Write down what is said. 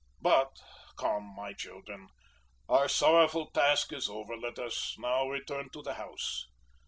But come, my children, our sorrowful task is over, let us now return to the house.